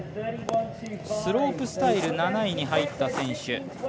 スロープスタイル７位に入った選手。